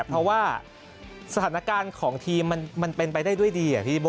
เพราะว่าสถานการณ์ของทีมมันเป็นไปได้ด้วยดี